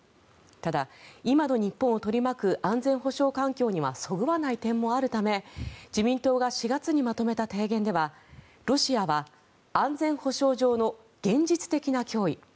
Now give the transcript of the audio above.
ただ、今の日本を取り巻く安全保障環境にはそぐわない点もあるため自民党が４月にまとめた提言ではロシアは安全保障上の現実的な脅威